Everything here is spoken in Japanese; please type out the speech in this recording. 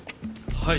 はい。